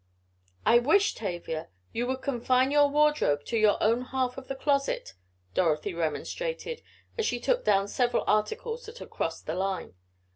"I wish, Tavia, you would confine your wardrobe to your own half of the closet," Dorothy remonstrated, as she took down several articles that had "crossed the line."